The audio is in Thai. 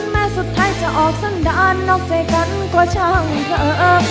แม้สุดท้ายจะออกสันดาลนอกใจกันก็ช่างเธอ